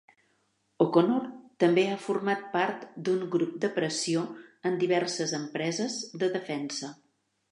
O'Connor també ha format part d'un grup de pressió en diverses empreses de defensa.